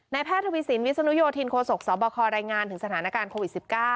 แพทย์ทวีสินวิศนุโยธินโคศกสบครายงานถึงสถานการณ์โควิด๑๙